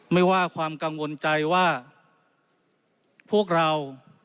ไม่ว่าความกังวลใจว่าพวกเรา